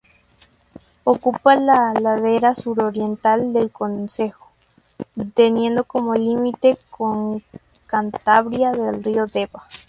Ocupa la ladera suroriental del concejo, teniendo como límite con Cantabria el río Deva.